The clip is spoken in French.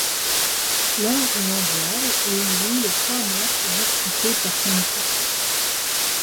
Lors du mondial, il joue les trois matchs disputés par son équipe.